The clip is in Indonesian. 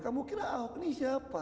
kamu kira ahok ini siapa